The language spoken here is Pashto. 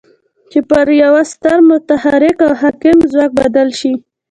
چې پر يوه ستر متحرک او حاکم ځواک بدل شي.